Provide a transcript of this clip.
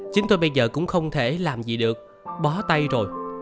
chính tôi bây giờ cũng không thể làm gì được bó tay rồi